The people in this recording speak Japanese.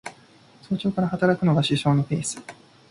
早朝から働くのが首相のペース